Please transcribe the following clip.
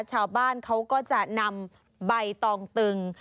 ชาวบ้านเขาก็จะนำใบตองตึง